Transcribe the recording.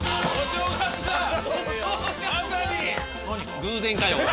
偶然かよ。